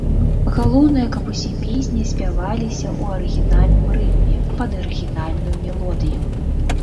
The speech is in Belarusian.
Галоўнае, каб усе песні спяваліся ў арыгінальным рытме пад арыгінальную мелодыю.